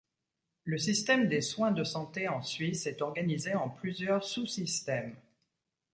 Le système des soins de santé en Suisse est organisé en plusieurs sous-systèmes.